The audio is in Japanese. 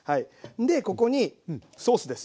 でここにソースですよ。